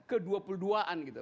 kedua puluh duaan gitu